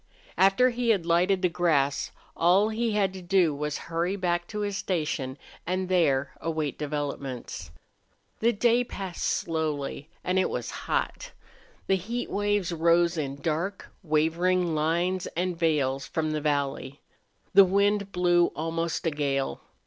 After he had lighted the grass all he had to do was to hurry back to his station and there await developments. The day passed slowly, and it was hot. The heat waves rose in dark, wavering lines and veils from the valley. The wind blew almost a gale.